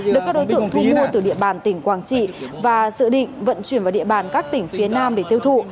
được các đối tượng thu mua từ địa bàn tỉnh quảng trị và dự định vận chuyển vào địa bàn các tỉnh phía nam để tiêu thụ